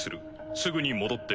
すぐに戻ってこい」。